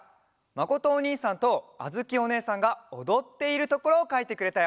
まことおにいさんとあづきおねえさんがおどっているところをかいてくれたよ。